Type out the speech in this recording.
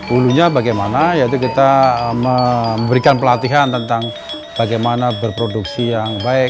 hulunya bagaimana yaitu kita memberikan pelatihan tentang bagaimana berproduksi yang baik